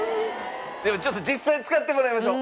ではちょっと実際使ってもらいましょう。